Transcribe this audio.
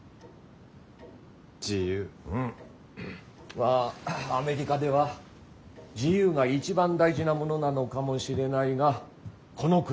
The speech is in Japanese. まあアメリカでは自由が一番大事なものなのかもしれないがこの国は違う。